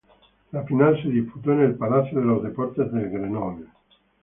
La final se disputó en el Palacio de los Deportes de Grenoble.